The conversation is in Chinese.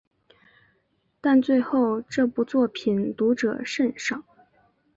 但最后这部作品读者甚少。